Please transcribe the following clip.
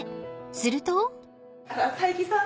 ［すると］